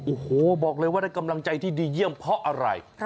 โอ้โหบอกเลยว่าได้กำลังใจที่ดีเยี่ยมเพราะอะไร